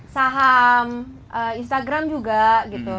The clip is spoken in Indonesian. saham instagram juga gitu